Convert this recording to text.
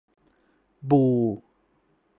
บู